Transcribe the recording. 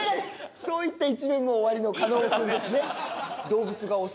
そういった一面もおありの加納君ですね。